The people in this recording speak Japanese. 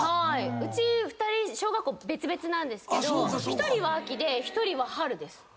うち２人小学校別々なんですけど１人は秋で１人は春です。